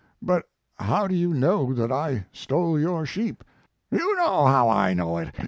1 But how do you know that I stole your sheep?" "You know how I know it.